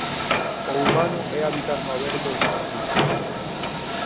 O humano é habitar no Aberto e Inconcluso.